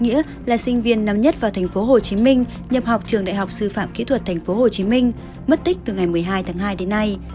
nghĩa là sinh viên nóng nhất vào tp hcm nhập học trường đại học sư phạm kỹ thuật tp hcm mất tích từ ngày một mươi hai tháng hai đến nay